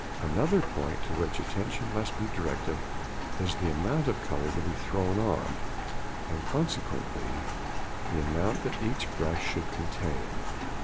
Another point to which attention must be directed is the amount of colour to be thrown on, and consequently the amount that each brush should contain.